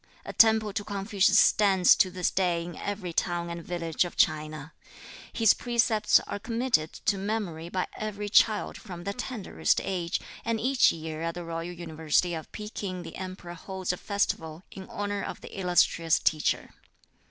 A temple to Confucius stands to this day in every town and village of China. His precepts are committed to memory by every child from the tenderest age, and each year at the royal university at Pekin the Emperor holds a festival in honor of the illustrious teacher.